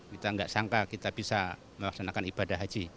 kita nggak sangka kita bisa melaksanakan ibadah haji